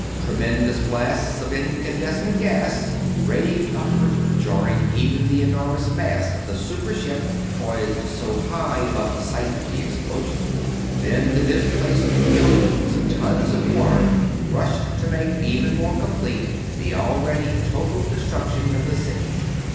Tremendous blasts of incandescent gas raved upward, jarring even the enormous mass of the super ship poised so high above the site of the explosion. Then the displaced millions of tons of water rushed to make even more complete the already total destruction of the city.